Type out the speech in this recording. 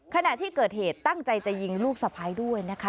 ขณะที่เกิดเหตุตั้งใจจะยิงลูกสะพ้ายด้วยนะคะ